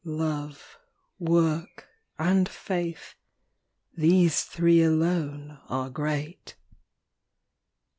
Love, Work, and Faith—these three alone are great.